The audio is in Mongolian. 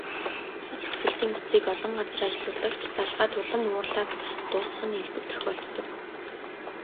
Санал хүсэлтийн утсыг олон газар ажиллуулдаг ч, залгаад улам уурлаад дуусах нь элбэг тохиолддог.